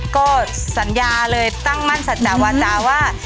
ก็สัญญาเลยตั้งมั่นสัจจาวาจาว่า